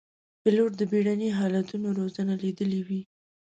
پیلوټ د بېړني حالتونو روزنه لیدلې وي.